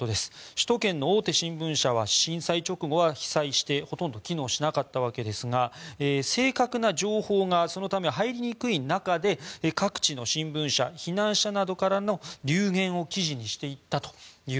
首都圏の大手新聞社は震災直後は被災してほとんど機能しなかったわけですがそのため正確な情報が入りにくい中で各地の新聞社は避難者などからの流言を記事にしていったと。